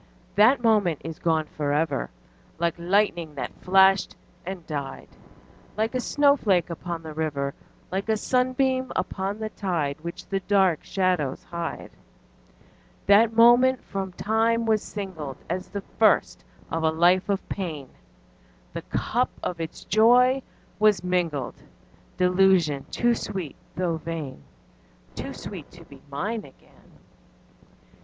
_5 2. That moment is gone for ever, Like lightning that flashed and died Like a snowflake upon the river Like a sunbeam upon the tide, Which the dark shadows hide. _10 3. That moment from time was singled As the first of a life of pain; The cup of its joy was mingled Delusion too sweet though vain! Too sweet to be mine again.